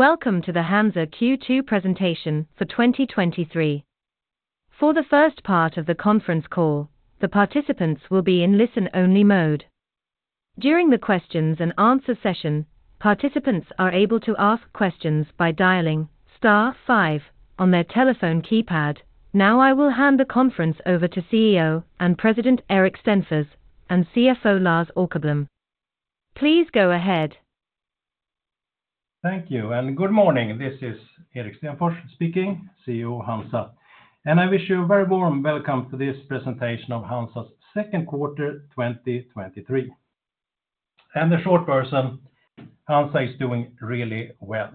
Welcome to the HANZA Q2 presentation for 2023. For the first part of the conference call, the participants will be in listen-only mode. During the questions and answer session, participants are able to ask questions by dialing star five on their telephone keypad. Now, I will hand the conference over to CEO and President, Erik Stenfors, and CFO, Lars Åkerblom. Please go ahead. Thank you. Good morning. This is Erik Stenfors speaking, CEO of HANZA, I wish you a very warm welcome to this presentation of HANZA's Q2 2023. The short version, HANZA is doing really well.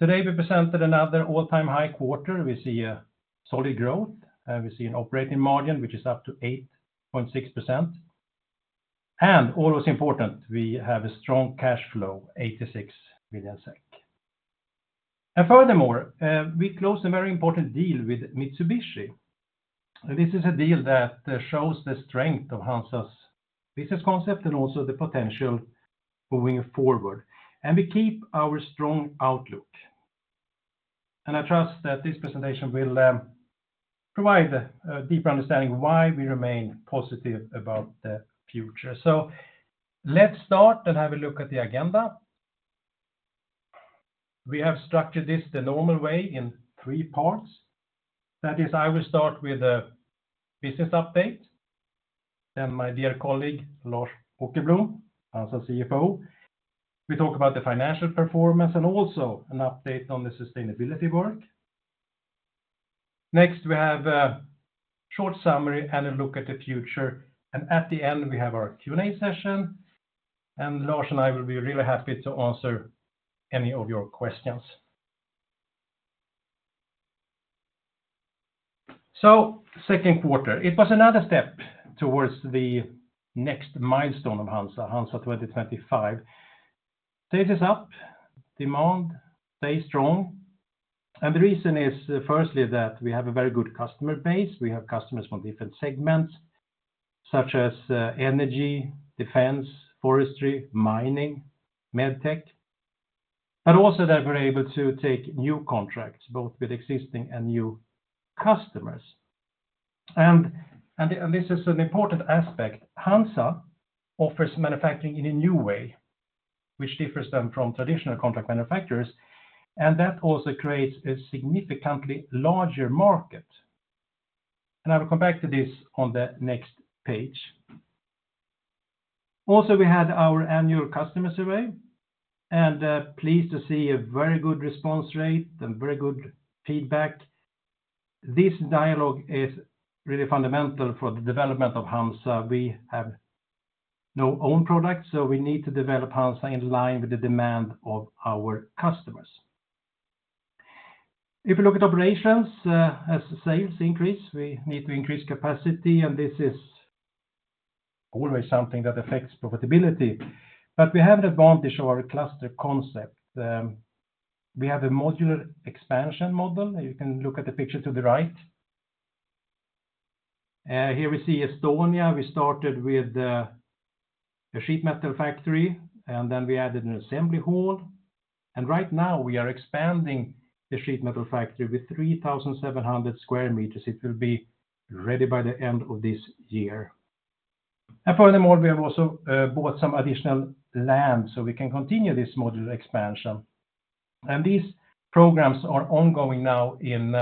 Today, we presented another all-time high quarter. We see a solid growth. We see an operating margin, which is up to 8.6%. Always important, we have a strong cash flow, 86 million SEK. Furthermore, we closed a very important deal with Mitsubishi. This is a deal that shows the strength of HANZA's business concept and also the potential moving forward. We keep our strong outlook. I trust that this presentation will provide a deeper understanding of why we remain positive about the future. Let's start and have a look at the agenda. We have structured this the normal way in three parts. That is, I will start with a business update, then my dear colleague, Lars Åkerblom, HANZA CFO, will talk about the financial performance and also an update on the sustainability work. Next, we have a short summary and a look at the future, and at the end, we have our Q&A session, and Lars and I will be really happy to answer any of your questions. Q2, it was another step towards the next milestone of HANZA 2025. Sales is up, demand stays strong, and the reason is, firstly, that we have a very good customer base. We have customers from different segments, such as, energy, defense, forestry, mining, medtech, but also that we're able to take new contracts, both with existing and new customers. This is an important aspect, HANZA offers manufacturing in a new way, which differs them from traditional contract manufacturers, and that also creates a significantly larger market. I will come back to this on the next page. Also, we had our annual customer survey, and pleased to see a very good response rate and very good feedback. This dialogue is really fundamental for the development of HANZA. We have no own product, so we need to develop HANZA in line with the demand of our customers. If you look at operations, as sales increase, we need to increase capacity, and this is always something that affects profitability, but we have an advantage of our cluster concept. We have a modular expansion model. You can look at the picture to the right. Here we see Estonia. We started with a sheet metal factory, then we added an assembly hall, right now we are expanding the sheet metal factory with 3,700 sq meters. It will be ready by the end of this year. Furthermore, we have also bought some additional land, so we can continue this module expansion. These programs are ongoing now in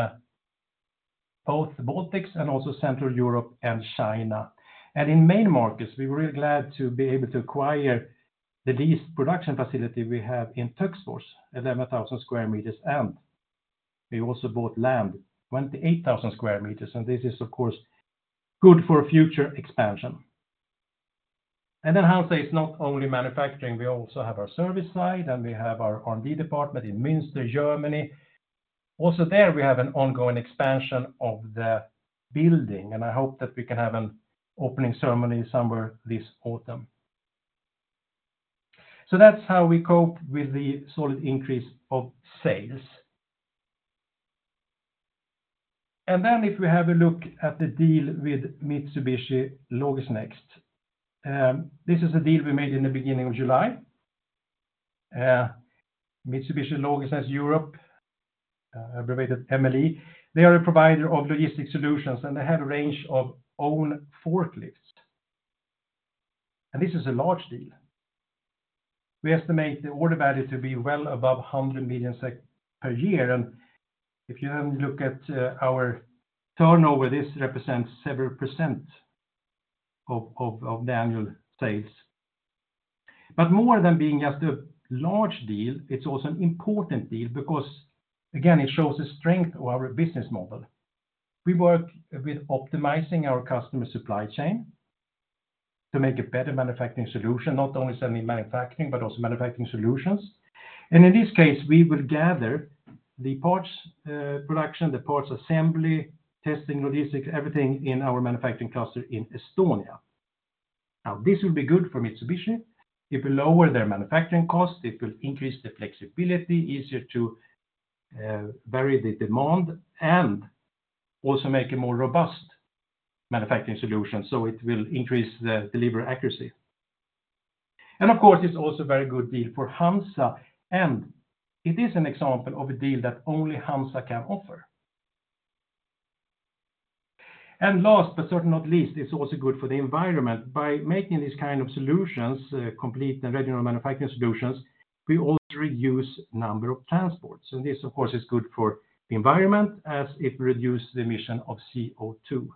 both the Baltics and also Central Europe and China. In main markets, we were really glad to be able to acquire the least production facility we have in Töcksfors, 11,000 square meters, we also bought land, 28,000 square meters, this is, of course, good for future expansion. HANZA is not only manufacturing. We also have our service side, we have our R&D department in Münster, Germany. There, we have an ongoing expansion of the building. I hope that we can have an opening ceremony somewhere this autumn. That's how we cope with the solid increase of sales. If we have a look at the deal with Mitsubishi Logisnext. This is a deal we made in the beginning of July. Mitsubishi Logisnext Europe, abbreviated MLE, they are a provider of logistic solutions. They have a range of own forklifts. This is a large deal. We estimate the order value to be well above 100 million SEK per year. If you then look at our turnover, this represents several % of the annual sales. More than being just a large deal, it's also an important deal because, again, it shows the strength of our business model. We work with optimizing our customer supply chain to make a better manufacturing solution, not only selling manufacturing, but also manufacturing solutions. In this case, we will gather the parts production, the parts assembly, testing, logistics, everything in our manufacturing cluster in Estonia. Now, this will be good for Mitsubishi. It will lower their manufacturing costs, it will increase the flexibility, easier to vary the demand, and also make it more robust manufacturing solutions, so it will increase the delivery accuracy. Of course, it's also a very good deal for HANZA, and it is an example of a deal that only HANZA can offer. Last but certainly not least, it's also good for the environment. By making these kind of solutions, complete and regional manufacturing solutions, we also reduce number of transports. This, of course, is good for the environment as it reduces the emission of CO2.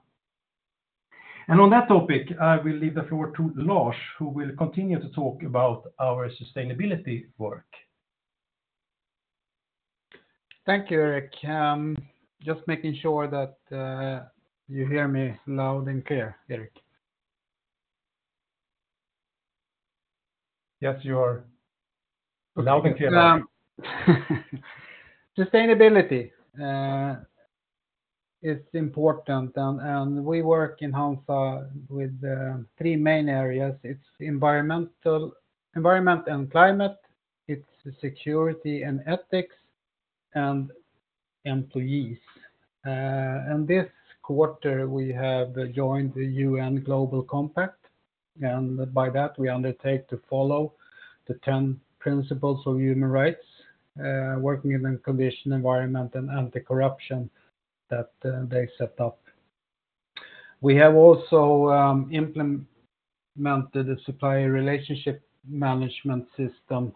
On that topic, I will leave the floor to Lars, who will continue to talk about our sustainability work. Thank you, Erik. Just making sure that you hear me loud and clear, Erik? Yes, you are loud and clear. Sustainability is important, and we work in HANZA with three main areas. It's environmental, environment and climate, it's security and ethics, and employees. This quarter, we have joined the UN Global Compact, and by that, we undertake to follow the 10 principles of human rights, working in condition, environment, and anti-corruption that they set up. We have also implemented a supplier relationship management system.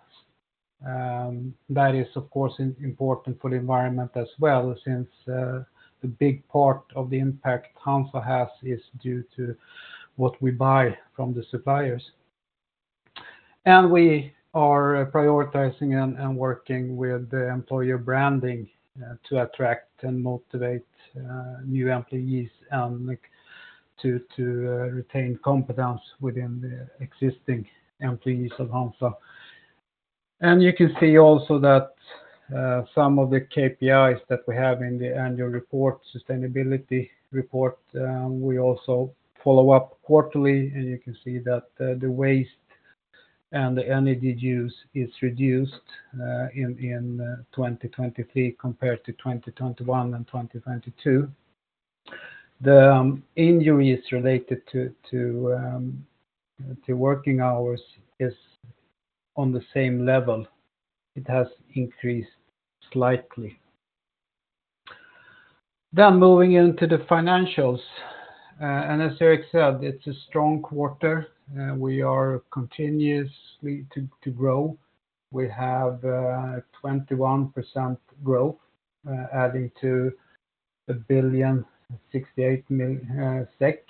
That is, of course, important for the environment as well, since the big part of the impact HANZA has is due to what we buy from the suppliers. We are prioritizing and working with the employer branding to attract and motivate new employees to retain competence within the existing employees of HANZA. You can see also that some of the KPIs that we have in the annual report, sustainability report, we also follow up quarterly, and you can see that the waste and the energy use is reduced in 2023 compared to 2021 and 2022. The injuries related to working hours is on the same level. It has increased slightly. Moving into the financials, and as Erik said, it's a strong quarter, and we are continuously to grow. We have 21% growth, adding to 1,068 million SEK,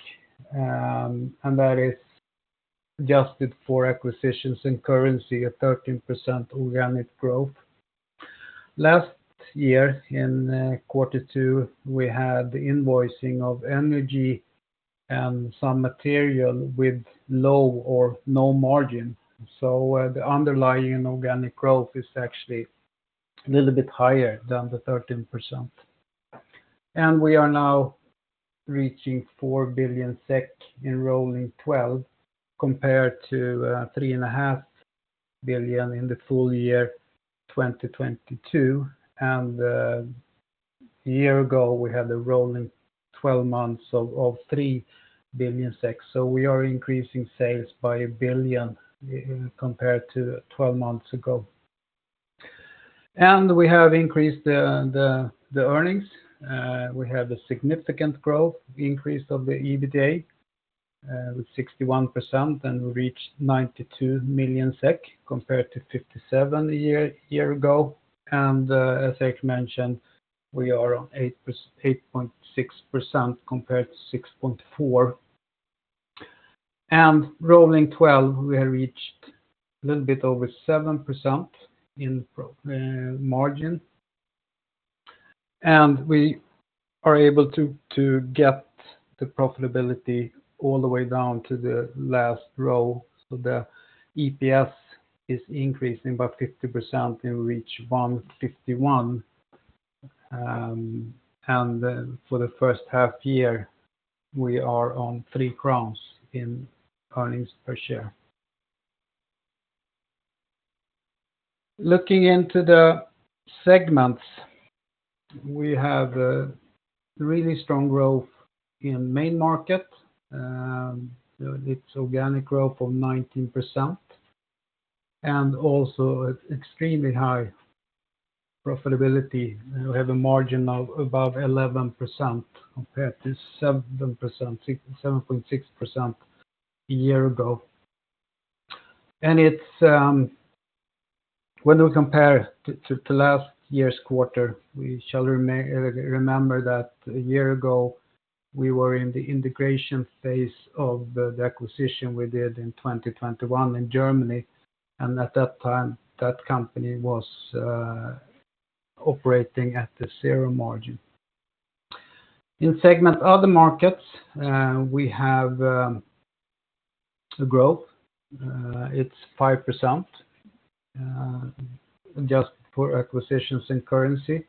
and that is adjusted for acquisitions and currency, a 13% organic growth. Last year, in Q2, we had the invoicing of energy and some material with low or no margin, the underlying organic growth is actually a little bit higher than the 13%. We are now reaching 4 billion SEK in rolling 12, compared to 3.5 billion in the full year 2022, a year ago, we had a rolling 12 months of 3 billion. We are increasing sales by 1 billion in, compared to 12 months ago. We have increased the earnings. We have a significant growth increase of the EBITDA, with 61%, we reached 92 million SEK compared to 57 million a year ago. As Erik mentioned, we are on 8.6% compared to 6.4%. Rolling 12, we have reached a little bit over 7% in pro margin. We are able to get the profitability all the way down to the last row, the EPS is increasing by 50% and reach SEK 1.51. For the first half year, we are on 3 crowns in earnings per share. Looking into the segments, we have a really strong growth in main market. It's organic growth of 19%, and also extremely high profitability. We have a margin of above 11% compared to 7%, 7.6% a year ago. It's, when we compare to last year's quarter, we shall remember that a year ago, we were in the integration phase of the acquisition we did in 2021 in Germany. At that time, that company was operating at the zero margin. In segment other markets, we have a growth, it's 5%, just for acquisitions and currency.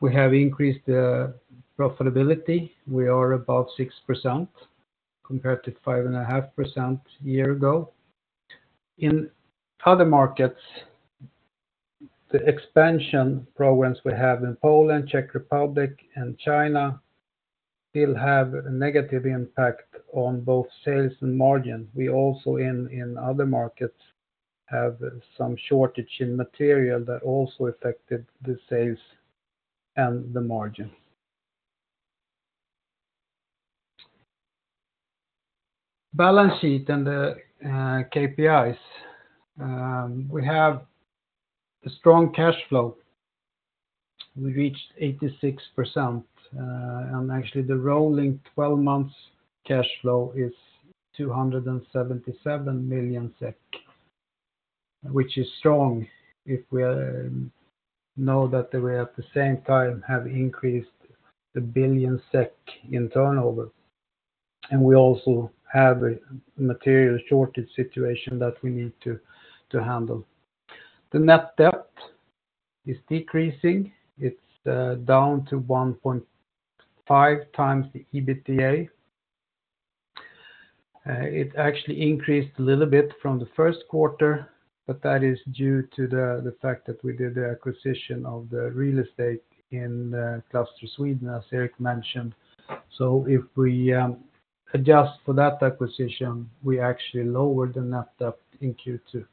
We have increased the profitability. We are about 6% compared to 5.5% a year ago. The expansion programs we have in Poland, Czech Republic, and China still have a negative impact on both sales and margin. We also in other markets, have some shortage in material that also affected the sales and the margin. Balance sheet and the KPIs. We have a strong cash flow. We reached 86%, and actually the rolling 12 months cash flow is 277 million SEK, which is strong if we know that we at the same time have increased 1 billion SEK in turnover, and we also have a material shortage situation that we need to handle. The net debt is decreasing. It's down to 1.5 times the EBITDA. It actually increased a little bit from the first quarter, but that is due to the fact that we did the acquisition of the real estate in Cluster Sweden, as Erik mentioned. If we adjust for that acquisition, we actually lowered the net debt in Q2.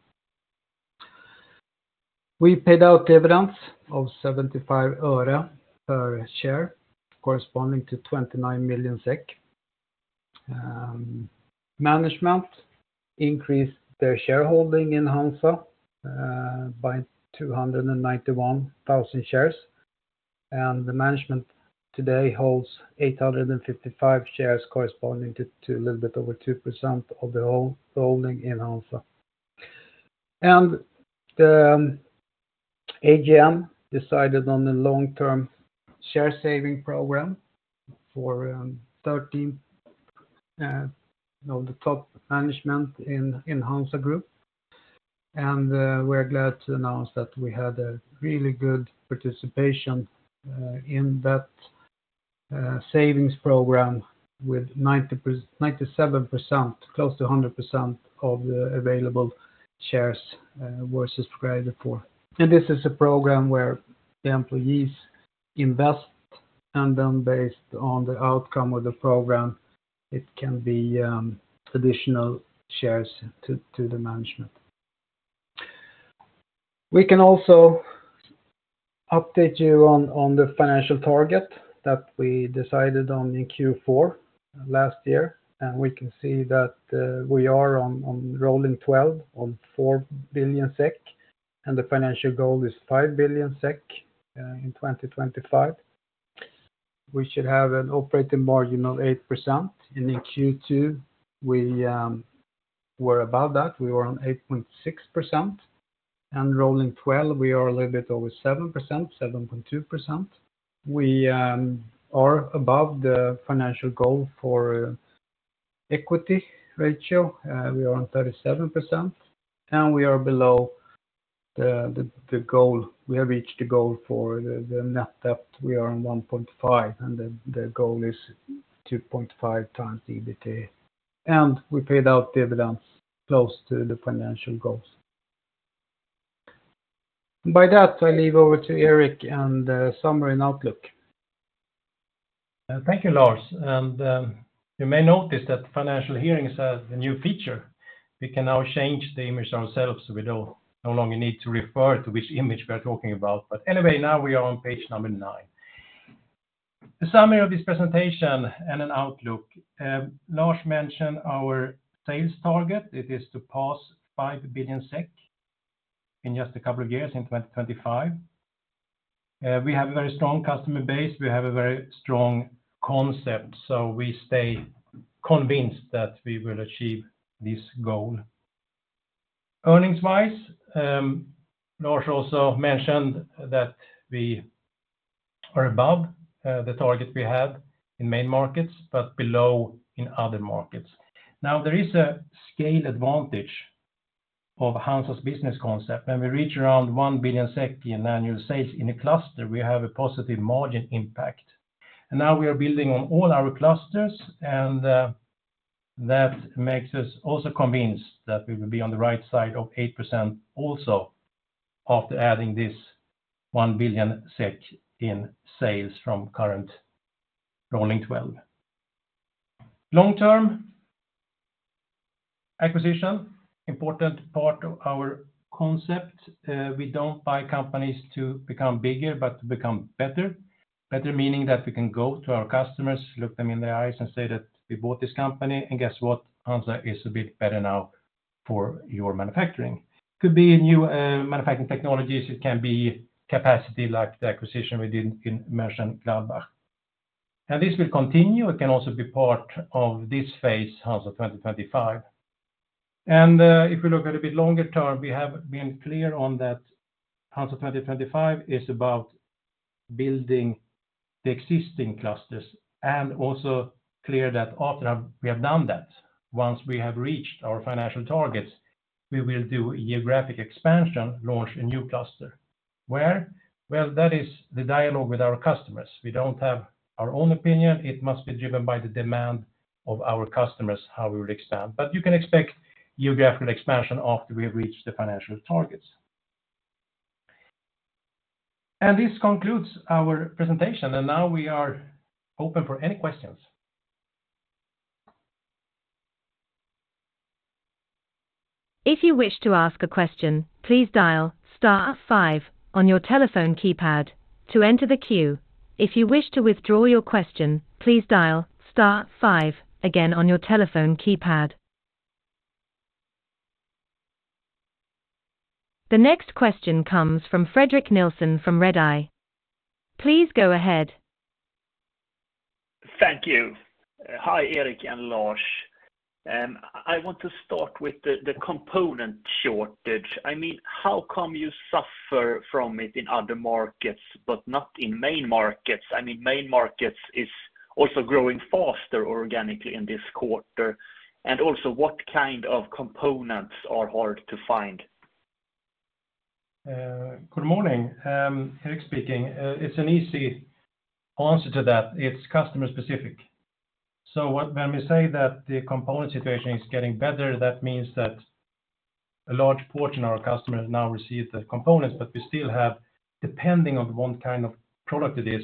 We paid out dividends of SEK 0.75 per share, corresponding to 29 million SEK. Management increased their shareholding in HANZA by 291,000 shares, and the management today holds 855 shares, corresponding to a little bit over 2% of the whole holding in HANZA. The AGM decided on the long-term share saving program for 13 the top management in HANZA group. We're glad to announce that we had a really good participation in that savings program with 97%, close to 100% of the available shares were subscribed for. This is a program where the employees invest, then based on the outcome of the program, it can be additional shares to the management. We can also update you on the financial target that we decided on in Q4 last year. We can see that we are on rolling 12 on 4 billion SEK, the financial goal is 5 billion SEK in 2025. We should have an operating margin of 8%. In the Q2, we were above that. We were on 8.6%. Rolling 12, we are a little bit over 7%, 7.2%. We are above the financial goal for equity ratio. We are on 37%, we are below the goal. We have reached the goal for the net debt. We are on 1.5, the goal is 2.5 times the EBITDA. We paid out dividends close to the financial goals. By that, I leave over to Eric and the summary and outlook. Thank you, Lars. You may notice that Financial Hearings has a new feature. We can now change the image ourselves, so we no longer need to refer to which image we are talking about. Anyway, now we are on page number 9. The summary of this presentation and an outlook. Lars mentioned our sales target. It is to pass 5 billion SEK in just a couple of years, in 2025. We have a very strong customer base. We have a very strong concept, so we stay convinced that we will achieve this goal. Earnings-wise, Lars also mentioned that we are above the target we have in main markets, but below in other markets. There is a scale advantage of HANZA's business concept. When we reach around 1 billion SEK in annual sales in a cluster, we have a positive margin impact. Now we are building on all our clusters, and that makes us also convinced that we will be on the right side of 8% also after adding this 1 billion SEK in sales from current rolling twelve. Long term, acquisition, important part of our concept. We don't buy companies to become bigger, but to become better. Better meaning that we can go to our customers, look them in the eyes, and say that we bought this company, and guess what? HANZA is a bit better now for your manufacturing. Could be new manufacturing technologies, it can be capacity, like the acquisition we did mentioned Mönchengladbach. This will continue. It can also be part of this phase, HANZA 2025. If we look at a bit longer term, we have been clear on that HANZA 2025 is about building the existing clusters, and also clear that after we have done that, once we have reached our financial targets, we will do a geographic expansion, launch a new cluster. Where? Well, that is the dialogue with our customers. We don't have our own opinion. It must be driven by the demand of our customers, how we would expand. You can expect geographical expansion after we have reached the financial targets. This concludes our presentation, and now we are open for any questions. If you wish to ask a question, please dial star five on your telephone keypad to enter the queue. If you wish to withdraw your question, please dial star five again on your telephone keypad. The next question comes from Fredrik Nilsson from Redeye. Please go ahead. Thank you. Hi, Erik and Lars. I want to start with the component shortage. I mean, how come you suffer from it in other markets, but not in main markets? I mean, main markets is also growing faster organically in this quarter. What kind of components are hard to find? Good morning, Eric speaking. It's an easy answer to that. It's customer specific. What, when we say that the component situation is getting better, that means that a large portion of our customers now receive the components, but we still have, depending on what kind of product it is,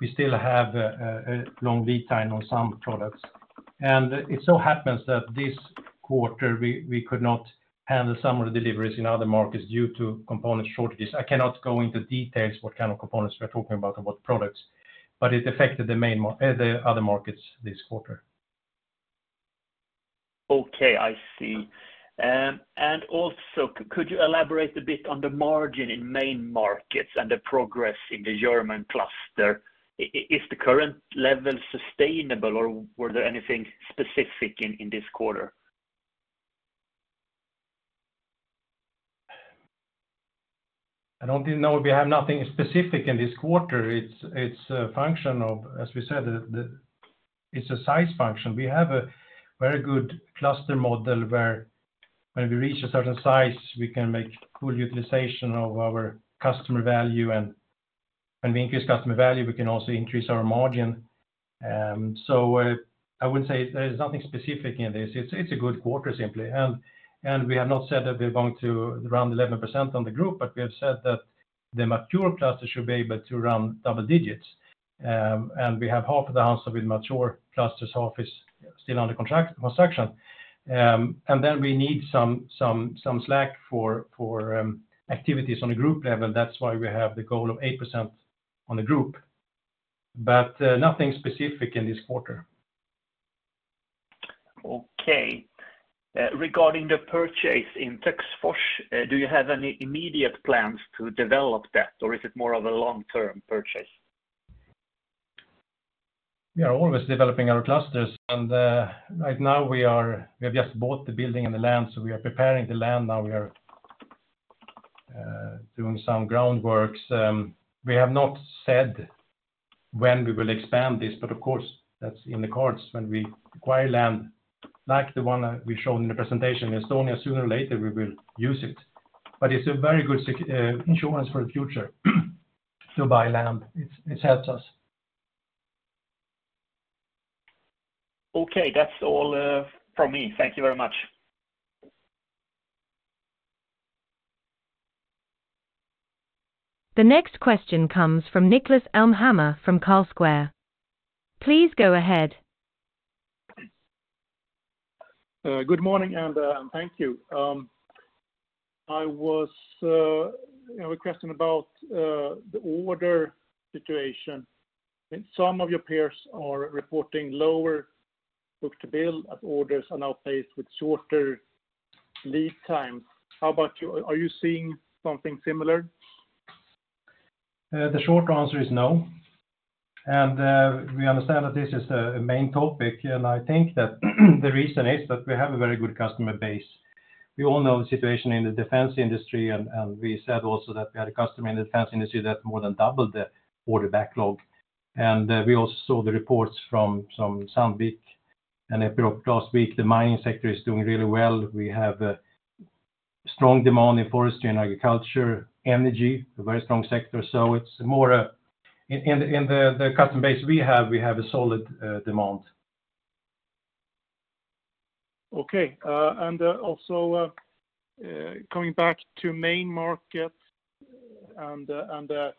we still have a long lead time on some products. It so happens that this quarter, we could not handle some of the deliveries in other markets due to component shortages. I cannot go into details what kind of components we're talking about and what products, but it affected the other markets this quarter. Okay, I see. Also, could you elaborate a bit on the margin in main markets and the progress in the German cluster? If the current level sustainable, or were there anything specific in this quarter? I don't think, no, we have nothing specific in this quarter. It's a function of, as we said, the, it's a size function. We have a very good cluster model where when we reach a certain size, we can make good utilization of our customer value, and when we increase customer value, we can also increase our margin. I would say there is nothing specific in this. It's a good quarter, simply. We have not said that we're going to around 11% on the group, but we have said that the mature cluster should be able to run double digits. We have half of the answer with mature clusters office still under contract construction. We need some slack for activities on a group level. That's why we have the goal of 8% on the group, but nothing specific in this quarter. Okay. Regarding the purchase in Töcksfors, do you have any immediate plans to develop that, or is it more of a long-term purchase? We are always developing our clusters. Right now we have just bought the building and the land. We are preparing the land now. We are doing some groundworks. We have not said when we will expand this. Of course, that's in the cards. When we acquire land, like the one that we shown in the presentation, Estonia, sooner or later we will use it. It's a very good insurance for the future, to buy land. It helps us. Okay. That's all from me. Thank you very much. The next question comes from Niklas Elmhammer, from Carlsquare. Please go ahead. Good morning, and thank you. I was, you know, requesting about the order situation. Some of your peers are reporting lower book-to-bill as orders are now faced with shorter lead times. How about you? Are you seeing something similar? The short answer is no. We understand that this is a main topic. I think that the reason is that we have a very good customer base. We all know the situation in the defense industry, and we said also that we had a customer in the defense industry that more than doubled the order backlog. We also saw the reports from Sandvik. Last week, the mining sector is doing really well. We have a strong demand in forestry and agriculture, energy, a very strong sector, so it's more in the customer base we have, we have a solid demand. Okay. Also coming back to main market and the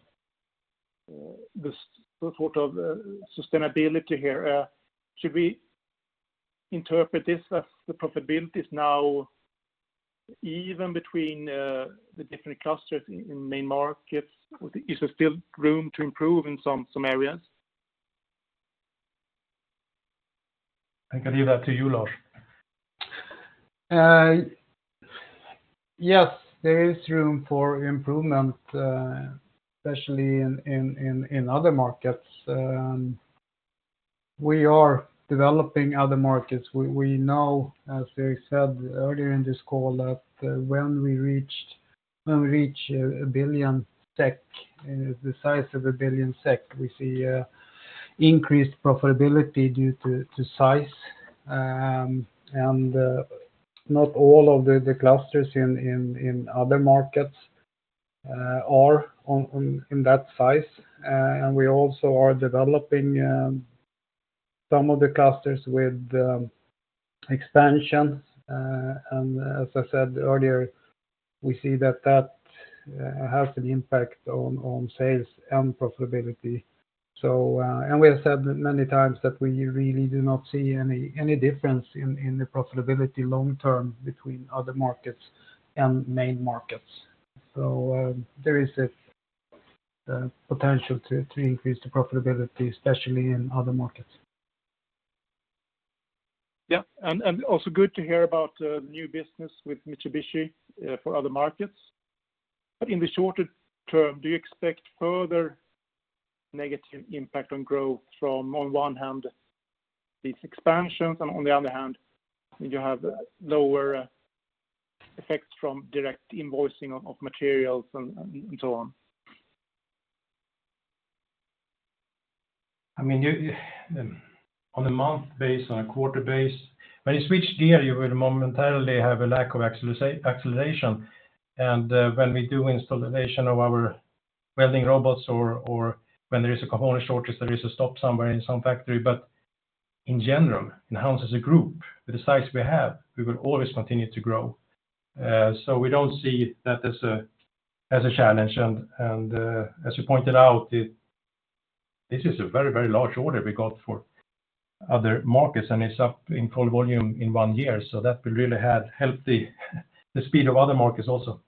sort of sustainability here. Should we interpret this as the profitability is now even between the different clusters in main markets? Is there still room to improve in some areas? I can leave that to you, Lars. Yes, there is room for improvement, especially in other markets. We are developing other markets. We know, as we said earlier in this call, that when we reach 1 billion SEK, the size of 1 billion SEK, we see a,increased profitability due to size, and not all of the clusters in other markets are in that size. We also are developing some of the clusters with expansion. As I said earlier, we see that has an impact on sales and profitability. We have said many times that we really do not see any difference in the profitability long term between other markets and main markets. There is a potential to increase the profitability, especially in other markets. Yeah, and also good to hear about new business with Mitsubishi for other markets. In the shorter term, do you expect further negative impact on growth from, on one hand, these expansions, and on the other hand, you have lower effects from direct invoicing of materials and so on? I mean, you, on a month base, on a quarter base, when you switch gear, you will momentarily have a lack of acceleration. When we do installation of our welding robots or when there is a component shortage, there is a stop somewhere in some factory. In general, in HANZA as a group, with the size we have, we will always continue to grow. We don't see that as a challenge, and, as you pointed out, this is a very, very large order we got for other markets, and it's up in total volume in one year, so that will really had helped the speed of other markets also.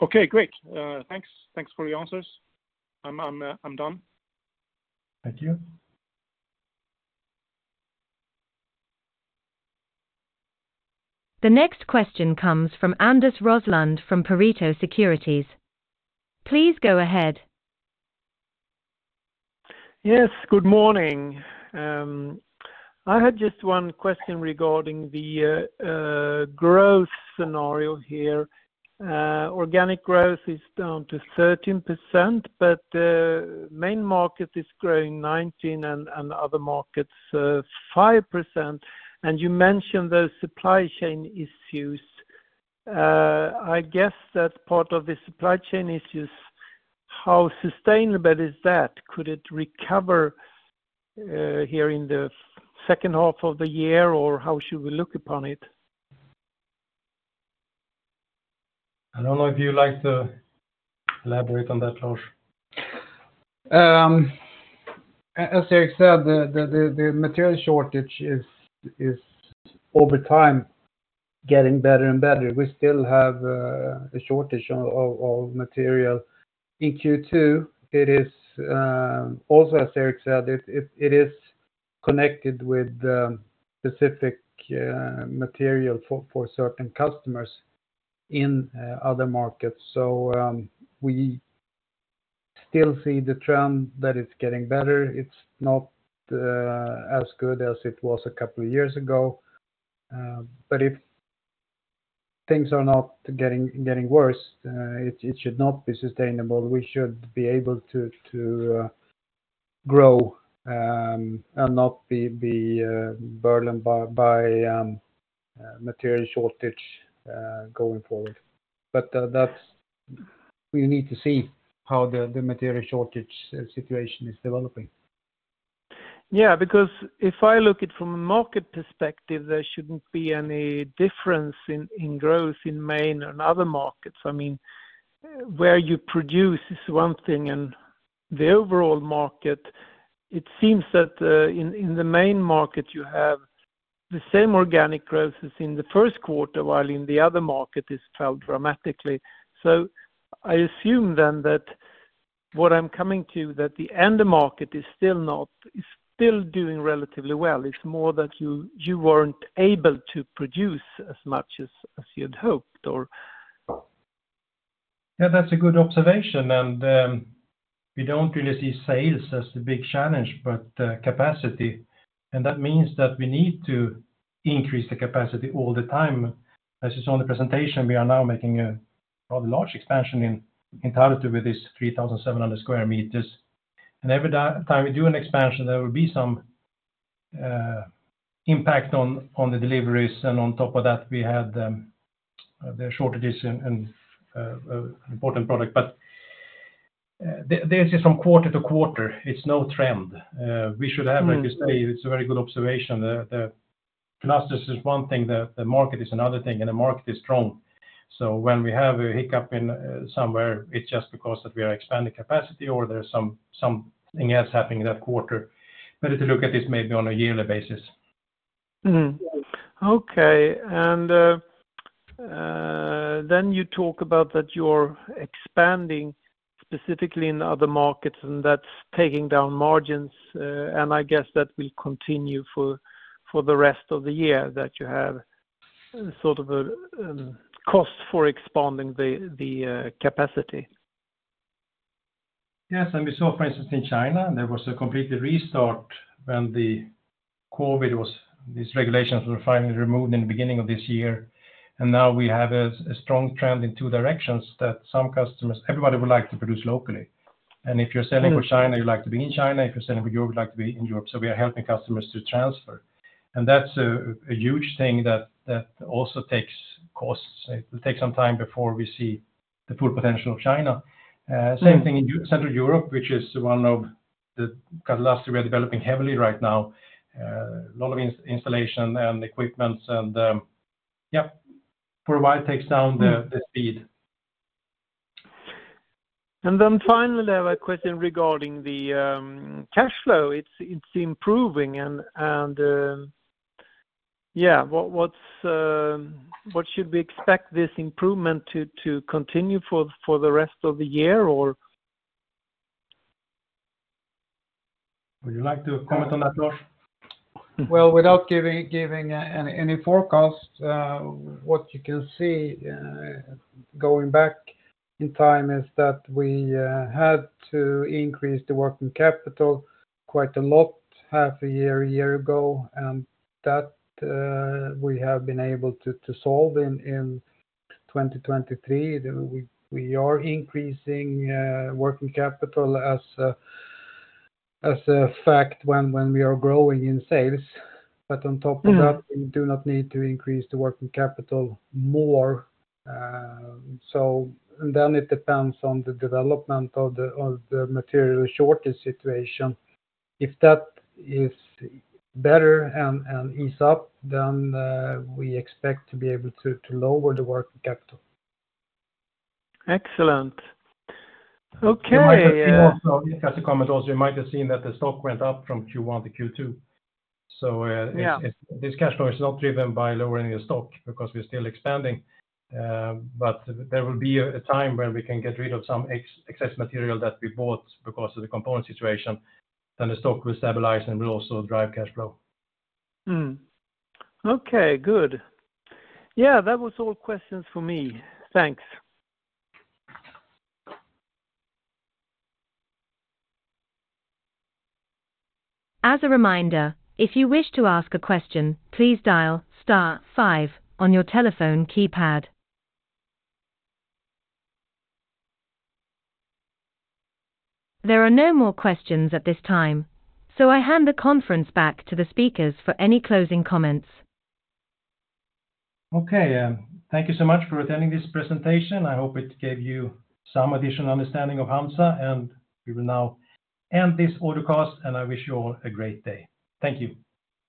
Okay, great. Thanks. Thanks for the answers. I'm done. Thank you. The next question comes from Anders Roslund from Pareto Securities. Please go ahead. Yes, good morning. I had just 1 question regarding the growth scenario here. Organic growth is down to 13%, but main market is growing 19 and other markets 5%. You mentioned those supply chain issues. I guess that part of the supply chain issues, how sustainable is that? Could it recover here in the second half of the year, or how should we look upon it? I don't know if you'd like to elaborate on that, Lars. As Erik said, the material shortage is over time getting better and better. We still have a shortage of material. In Q2, it is also, as Erik said, it is connected with the specific material for certain customers in other markets. We still see the trend that it's getting better. It's not as good as it was a couple of years ago, but if things are not getting worse, it should not be sustainable. We should be able to grow and not be burdened by material shortage going forward. We need to see how the material shortage situation is developing. Because if I look it from a market perspective, there shouldn't be any difference in growth in main and other markets. I mean, where you produce is one thing, and the overall market, it seems that in the main market, you have the same organic growth as in the first quarter, while in the other market, it's fell dramatically. I assume then that what I'm coming to, that the end market is still doing relatively well. It's more that you weren't able to produce as much as you'd hoped, or? Yeah, that's a good observation, and we don't really see sales as the big challenge, but capacity, and that means that we need to increase the capacity all the time. As you saw in the presentation, we are now making a rather large expansion in entirety with this 3,700 square meters. Every time we do an expansion, there will be some impact on the deliveries, and on top of that, we had the shortages in important product. This is from quarter to quarter, it's no trend. We should have, like you say, it's a very good observation. The clusters is one thing, the market is another thing, and the market is strong. When we have a hiccup in somewhere, it's just because that we are expanding capacity or there's something else happening in that quarter. If you look at this maybe on a yearly basis. You talk about that you're expanding specifically in other markets, and that's taking down margins, and I guess that will continue for the rest of the year, that you have sort of a cost for expanding the capacity. Yes, we saw, for instance, in China, there was a complete restart when COVID was, these regulations were finally removed in the beginning of this year, now we have a strong trend in two directions that everybody would like to produce locally. If you're selling for China, you'd like to be in China. If you're selling for Europe, you'd like to be in Europe. We are helping customers to transfer, and that's a huge thing that also takes costs. It will take some time before we see the full potential of China. Same thing in Central Europe, which is one of the catalogs we are developing heavily right now. A lot of installation and equipments and yep, provide takes down the speed. Finally, I have a question regarding the cash flow. It's improving and, yeah, what's what should we expect this improvement to continue for the rest of the year, or? Would you like to comment on that, Lars? Well, without giving any forecast, what you can see, going back in time is that we had to increase the working capital quite a lot, half a year, a year ago, and that we have been able to solve in 2023. We are increasing working capital as a fact when we are growing in sales. On top of that. We do not need to increase the working capital more. It depends on the development of the material shortage situation. If that is better and ease up, we expect to be able to lower the working capital. Excellent. Okay, You might have seen also, as a comment also, you might have seen that the stock went up from Q1 to Q2. Yeah If, this cash flow is not driven by lowering the stock because we're still expanding, but there will be a time where we can get rid of some excess material that we bought because of the component situation, then the stock will stabilize and will also drive cash flow. Okay, good. Yeah, that was all questions for me. Thanks. As a reminder, if you wish to ask a question, please dial star five on your telephone keypad. There are no more questions at this time. I hand the conference back to the speakers for any closing comments. Okay, thank you so much for attending this presentation. I hope it gave you some additional understanding of HANZA. We will now end this audio cast. I wish you all a great day. Thank you.